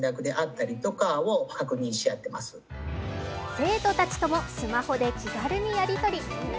生徒たちともスマホで気軽にやり取り。